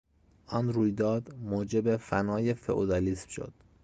آن رویداد موجب فنای فئودالیسم شد.